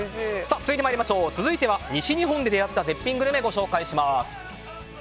続いては、西日本で出会った絶品グルメです。